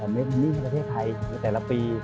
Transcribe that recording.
ในเทศไทยในแต่ละปี